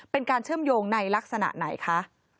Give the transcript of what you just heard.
เป็นการเชื่อมโยงในลักษณะไหนคะ